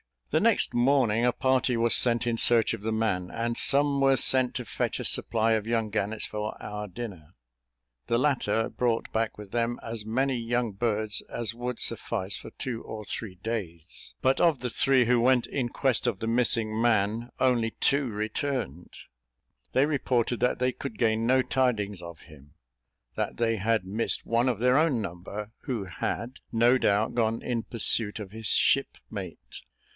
The next morning, a party was sent in search of the man, and some were sent to fetch a supply of young gannets for our dinner. The latter brought back with them as many young birds as would suffice for two or three days; but of the three who went in quest of the missing man, only two returned. They reported that they could gain no tidings of him: that they had missed one of their own number, who had, no doubt, gone in pursuit of his shipmate.